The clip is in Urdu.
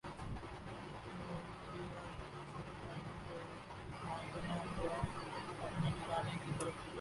گڈریا چوپایوں کو ہانکتا ہوا اپنے ٹھکانے کی طرف جا رہا تھا